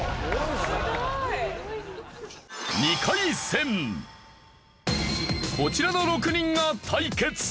すごい！こちらの６人が対決。